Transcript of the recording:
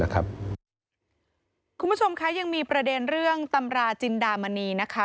คุณผู้ชมคะยังมีประเด็นเรื่องตำราจินดามณีนะคะ